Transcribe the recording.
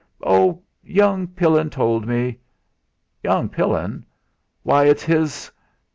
"Oh! Young Pillin told me " "Young Pillin? Why, it's his